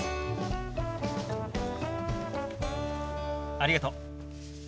ありがとう。